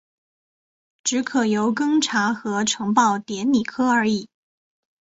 只可由庚查核呈报典礼科而已。